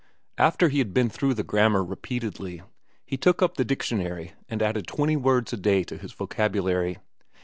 After he had been through the grammar repeatedly, he took up the dictionary and added twenty words a day to his vocabulary.